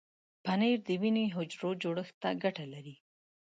پنېر د وینې حجرو جوړښت ته ګټه لري.